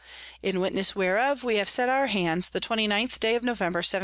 In witness whereof we have set our Hands the 29th day of_ November, 1708.